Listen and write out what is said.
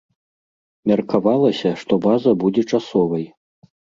Меркавалася, што база будзе часовай.